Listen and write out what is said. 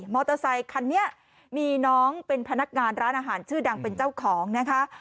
อเตอร์ไซคันนี้มีน้องเป็นพนักงานร้านอาหารชื่อดังเป็นเจ้าของนะคะ